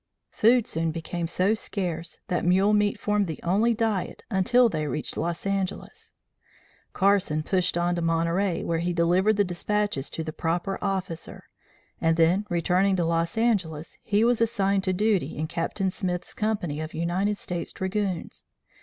Food soon became so scarce that mule meat formed the only diet until they reached Los Angeles. Carson pushed on to Monterey where he delivered the despatches to the proper officer, and then returning to Los Angeles he was assigned to duty in Captain Smith's Company of United States dragoons.